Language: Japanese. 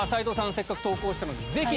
せっかく投稿したのでぜひね。